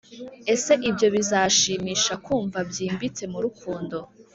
ese ibyo bizashimisha kumva byimbitse mu rukundo,